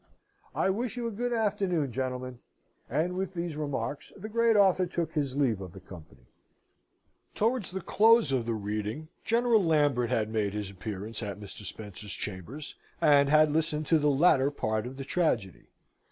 I wish you a good afternoon, gentlemen!" And with these remarks, the great author took his leave of the company. Towards the close of the reading, General Lambert had made his appearance at Mr. Spencer's chambers, and had listened to the latter part of the tragedy.